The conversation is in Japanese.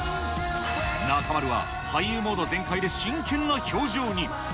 中丸は、俳優モード全開で真剣な表情に。